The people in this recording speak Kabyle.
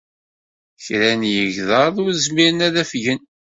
Kra n yegḍaḍ ur zmiren ad afgen.